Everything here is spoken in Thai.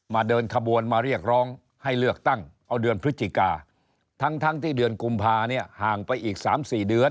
เดินขบวนมาเรียกร้องให้เลือกตั้งเอาเดือนพฤศจิกาทั้งที่เดือนกุมภาเนี่ยห่างไปอีก๓๔เดือน